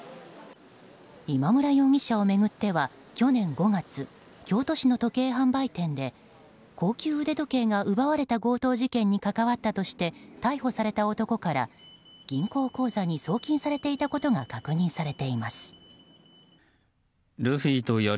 今村容疑者を巡っては去年５月、京都市の時計販売店で高級腕時計が奪われた強盗事件に関わったとして逮捕された男から銀行口座に送金されていたことが確認されています。